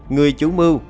người chủ mưu